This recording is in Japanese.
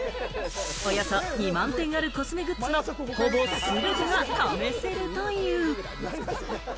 およそ２万点あるコスメグッズのほぼ全てが試せるという。